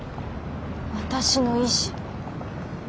私の意志。